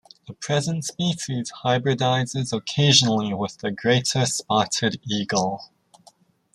The present species hybridizes occasionally with the greater spotted eagle.